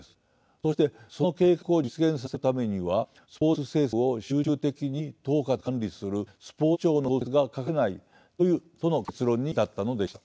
そしてその計画を実現させるためにはスポーツ政策を集中的に統括・管理するスポーツ庁の創設が欠かせないとの結論に至ったのでした。